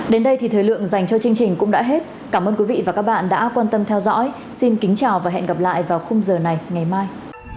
đến đây thì thời lượng dành cho chương trình cũng đã hết cảm ơn quý vị và các bạn đã quan tâm theo dõi xin kính chào và hẹn gặp lại vào khung giờ này ngày mai